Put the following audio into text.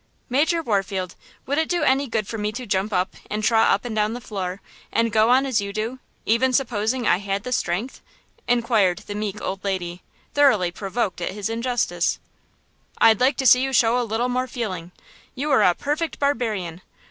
"Major Warfield, would it do any good for me to jump up and trot up and down the floor and go on as you do, even supposing I had the strength?" inquired the meek old lady, thoroughly provoked at his injustice! "I'd like to see you show a little more feeling! You are a perfect barbarian!